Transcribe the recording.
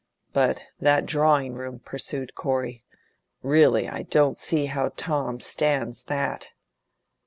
"But that drawing room," pursued Corey; "really, I don't see how Tom stands that.